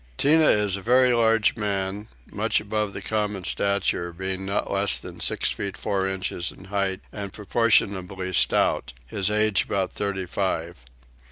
Tinah is a very large man, much above the common stature, being not less than six feet four inches in height and proportionably stout: his age about thirty five.